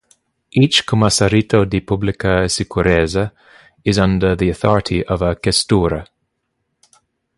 Each "Commissariato di Pubblica Sicurezza" is under the Authority of a "Questura".